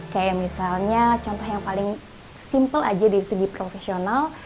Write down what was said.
kayak misalnya contoh yang paling simple aja dari segi profesional